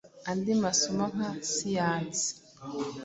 andi masomo nka siyansi,